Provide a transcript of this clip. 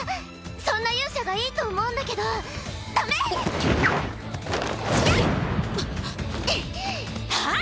そんな勇者がいいと思うんだけどダメ⁉おっとやあんっ。